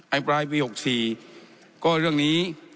ปลายปี๖๔ก็เรื่องนี้